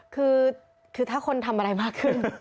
คือถ้าคนทำอะไรมากขึ้น